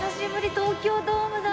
東京ドームだ！